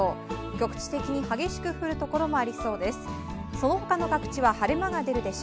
局地的に激しく降るところもありそうです。